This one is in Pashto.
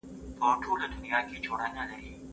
کورنی سياست بايد د خلکو د هوساينې لامل سي.